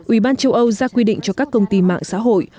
ủy ban châu âu ra quy định cho các công ty mạng xã hội